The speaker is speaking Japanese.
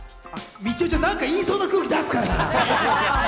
みちおちゃん、何か言いそうな空気を出すから。